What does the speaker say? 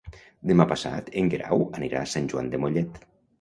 Demà passat en Guerau anirà a Sant Joan de Mollet.